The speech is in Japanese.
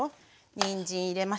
にんじん入れましたよ。